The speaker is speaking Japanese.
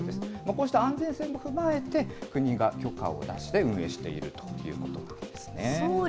こうした安全性も踏まえて、国が許可を出して、運営しているということなんですね。